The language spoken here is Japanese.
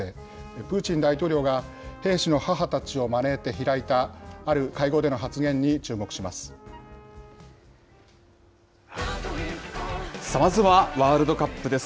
プーチン大統領が兵士の母たちを招いて開いたある会合での発言にまずはワールドカップです。